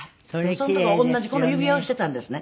その時は同じこの指輪をしていたんですね。